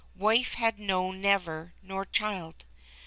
Wife had known never, nor child.